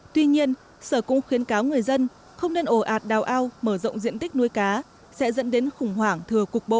tuy nhiên sở cũng khuyến cáo người dân không nên ổ ạt đào ao mở rộng diện tích nuôi cá sẽ dẫn đến khủng hoảng thừa cuộc bộ